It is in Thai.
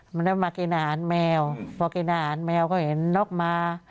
มันได้มากินอาหารแมวพอกินอาหารแมวก็เห็นนกมา